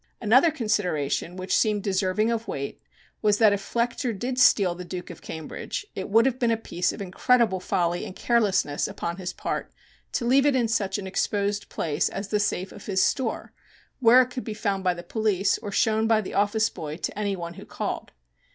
Another consideration, which seemed deserving of weight, was that if Flechter did steal "The Duke of Cambridge" it would have been a piece of incredible folly and carelessness upon his part to leave it in such an exposed place as the safe of his store, where it could be found by the police or shown by the office boy to any one who called.